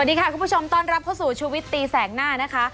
สวัสดีค่ะคุณผู้ชมต้อนรับเข้าสู่ชูวิตตีแสกหน้านะคะ